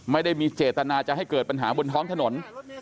ไม่ได้มีเจตนาจะให้เกิดปัญหาบนท้องถนน